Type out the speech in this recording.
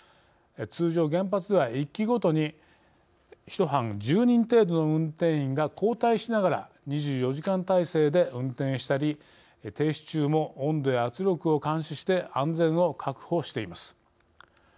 通常、原発では１基ごとに１班、１０人程度の運転員が交代しながら２４時間体制で運転したり停止中も温度や圧力を監視して安全を確保しています。